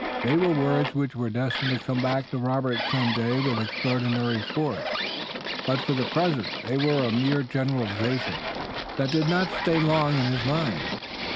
They were words which were destined to come back to Robert some day with extraordinary force, but for the present they were a mere generalization that did not stay long in his mind.